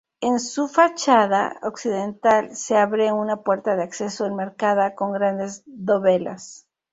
En su fachada occidental se abre una puerta de acceso enmarcada con grandes dovelas.